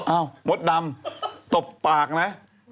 อ้าวมดดำตบปากนะ